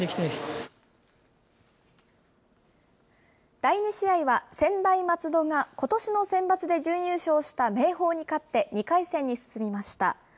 第２試合は、専大松戸が、ことしの選抜で準優勝した明豊に勝って２回戦に進みました。